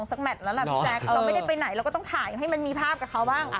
เราไม่ได้ไปไหนเราก็ต้องถ่ายให้มันมีภาพกับเขาบ้าง